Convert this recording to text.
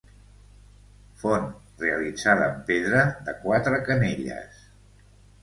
Font realitzada en pedra, de quatre canelles.